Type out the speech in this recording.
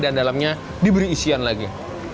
dan dalamnya diberi isian lagi